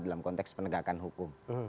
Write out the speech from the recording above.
dalam konteks penegakan hukum